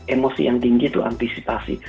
emosi yang tinggi itu antisipasi